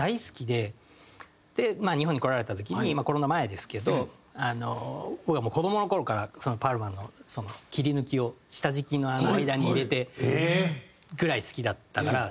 で日本に来られた時にコロナ前ですけど僕はもう子どもの頃からそのパールマンの切り抜きを下敷きの間に入れてぐらい好きだったから。